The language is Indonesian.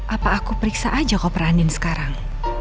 apa aku periksa aja koper andin sekarang